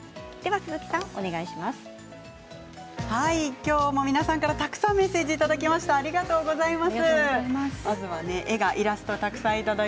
きょうも皆さんからたくさんメッセージいただきました